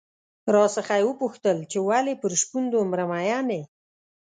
راڅخه یې وپوښتل چې ولې پر شپون دومره مين يې؟